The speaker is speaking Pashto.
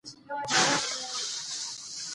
ازادي راډیو د ورزش په اړه څېړنیزې لیکنې چاپ کړي.